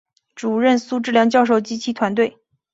主任苏智良教授及其团队